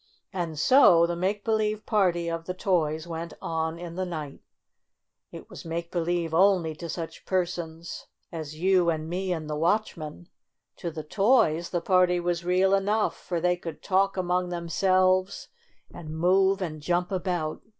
And so the make believe party of the toys went on in the night. It was make believe only to such persons as you and 44 STORY OF A SAWDUST DOLL me and the watchman. To the toys the party was real enough, for they could talk among themselves, and move and jump about.